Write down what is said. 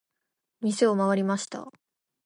店を回りました。